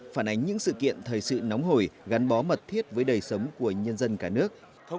phản ánh những sự kiện thời sự nóng hồi gắn bó mật thiết với đời sống của nhân dân cả nước